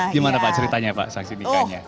gimana pak ceritanya pak saksi nikahnya